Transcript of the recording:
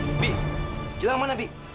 bibi jalan kemana bibi